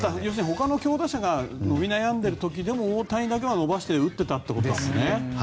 ほかの強打者が伸び悩んでいる時でも大谷だけは伸ばして打っていたということですもんね。